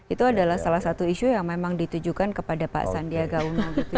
itu adalah salah satu isu yang memang ditujukan kepada pak sandi agak uno gitu